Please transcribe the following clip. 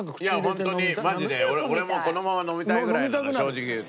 本当にマジで俺もこのまま飲みたいぐらいなの正直言うと。